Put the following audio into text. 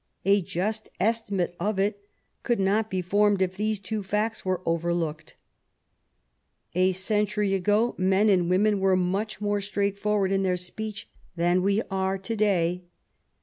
A just estimate of it could not be formed if these two facts were overlooked. A century ago men and women were much more straightforward in their speech than we are to day.